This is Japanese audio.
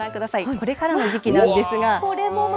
これからの時期なんですが。